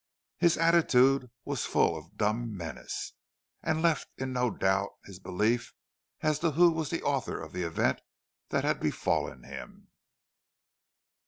His attitude was full of dumb menace, and left in no doubt his belief as to who was the author of the event that had befallen him.